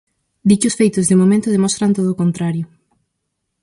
Di que os feitos, de momento, demostran todo o contario.